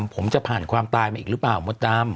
ผมจะผ่านความตายมาอีกหรือเปล่ามดดำ